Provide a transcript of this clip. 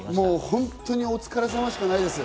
本当にお疲れ様しかないです。